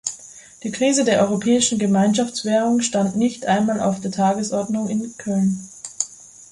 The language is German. Die Krise der Europäischen Gemeinschaftswährung stand nicht einmal auf der Tagesordnung in Köln.